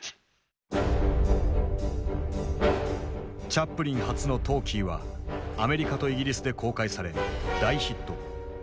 チャップリン初のトーキーはアメリカとイギリスで公開され大ヒット。